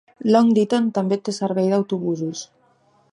Long Ditton també té servei d'autobusos.